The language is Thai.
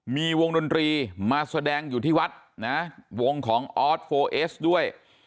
มีวงดนตรีมาแสดงอยู่ที่วัดนะวงของออสโฟเอสด้วย